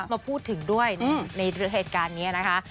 มาพูดถึงด้วยในเหตุการณ์นี้นะคะ